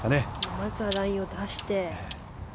まずはラインを出して。